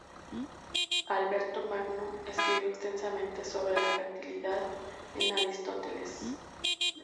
Alberto Magno escribió extensamente sobre la fertilidad en Aristóteles.